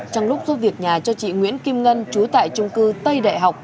trong lúc giúp việc nhà cho chị nguyễn kim ngân chú tại trung cư tây đại học